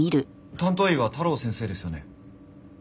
担当医は太郎先生ですよね？